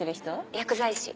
薬剤師。